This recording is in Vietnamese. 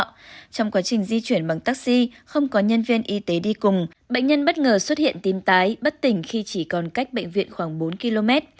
trong quá trình di chuyển bằng taxi không có nhân viên y tế đi cùng bệnh nhân bất ngờ xuất hiện tim tái bất tỉnh khi chỉ còn cách bệnh viện khoảng bốn km